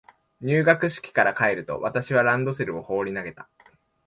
入学式から帰ると、私はランドセルを放り投げた。